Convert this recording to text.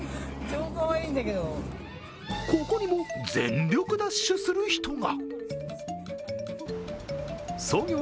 ここにも全力ダッシュする人が。